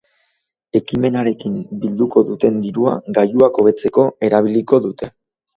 Ekimenarekin bilduko duten dirua gailuak hobetzeko erabiliko dute.